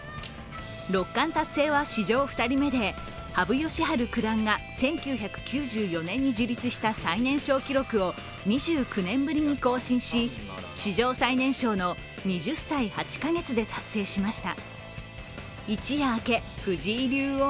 六冠達成は史上２人目で羽生善治九段が１９９４年に樹立した最年少記録を２９年ぶりに更新し史上最年少の２０歳８か月で達成しました。